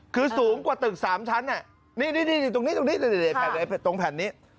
คือสูงกว่าตึกสามชั้นนี่ตรงแผ่นนี้